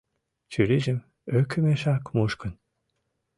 Чурийжым ӧкымешак мушкын